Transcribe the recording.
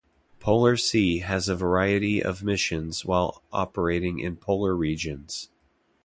"Polar Sea" has a variety of missions while operating in polar regions.